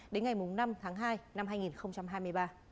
đến ngày năm tháng hai năm hai nghìn hai mươi ba